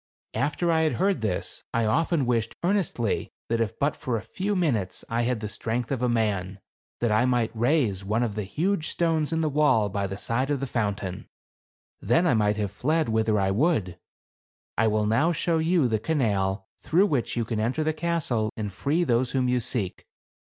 " After I had heard this, I often wished ear nestly that , if but for a few minutes, I had the strength of a man, that I might raise one of the huge stones in the wall by the side of the fount 184 THE CAB AVAN. ain. Then I might have fled whither I would. I will now show you the canal through which you can enter the castle and free those whom you seek.